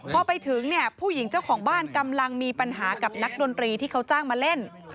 พอไปถึงเนี่ยผู้หญิงเจ้าของบ้านกำลังมีปัญหากับนักดนตรีที่เขาจ้างมาเล่น